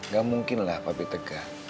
gak mungkin lah papi tegang